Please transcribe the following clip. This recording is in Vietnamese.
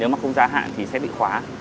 nếu mà không gia hạn thì sẽ bị khóa